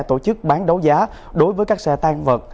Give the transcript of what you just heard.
tổ chức bán đấu giá đối với các xe tan vật